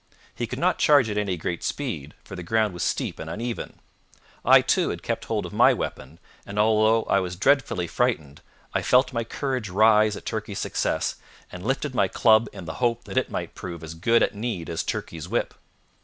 He could not charge at any great speed, for the ground was steep and uneven. I, too, had kept hold of my weapon; and although I was dreadfully frightened, I felt my courage rise at Turkey's success, and lifted my club in the hope that it might prove as good at need as Turkey's whip.